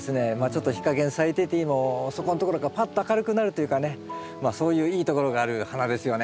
ちょっと日陰に咲いててもそこのところがパッと明るくなるというかねそういういいところがある花ですよね。